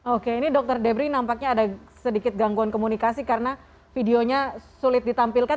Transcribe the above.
oke ini dokter debri nampaknya ada sedikit gangguan komunikasi karena videonya sulit ditampilkan